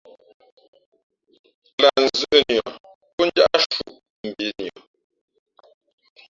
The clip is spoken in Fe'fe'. Lah nzʉ̄ʼ nʉα pó njáʼ shūʼ mbǐnʉα.